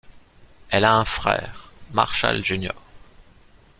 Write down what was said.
Elle a un frère Marshall Jr.